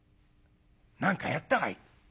「何かやったかい？」。